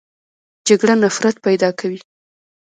جګړه نفرت پیدا کوي